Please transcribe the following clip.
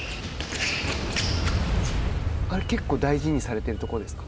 あれ、結構、大事にされてるところですか。